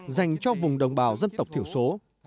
dành cho vùng đồng bào dân tộc thiểu số